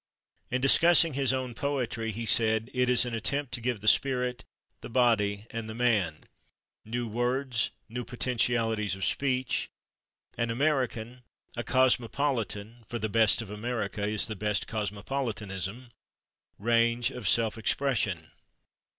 In discussing his own poetry, he said: "It is an attempt to give the spirit, the body and the man, new words, new potentialities of speech an American, a cosmopolitan (for the best of America is the best cosmopolitanism) range of self expression."